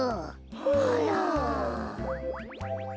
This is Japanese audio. あら。